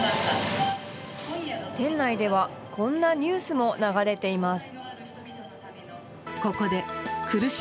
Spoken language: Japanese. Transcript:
店内ではこんなニュースも流れています。